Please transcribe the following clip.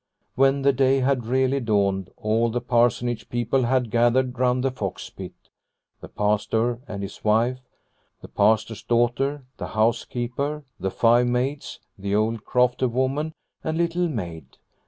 When the day had really dawned all the Parsonage people had gathered round the fox pit, the Pastor and his wife, the Pastor's daughter, the housekeeper, the five maids, the old crofter woman and Little Maid.